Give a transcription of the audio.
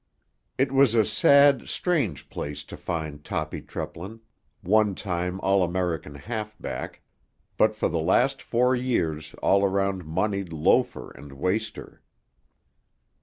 It was a sad, strange place to find Toppy Treplin, one time All American halfback, but for the last four years all around moneyed loafer and waster.